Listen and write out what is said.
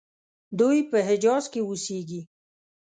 دوی په حجاز کې اوسیږي.